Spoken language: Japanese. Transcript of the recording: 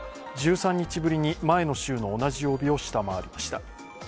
１３日ぶりに前の週の同じ曜日を下回りました。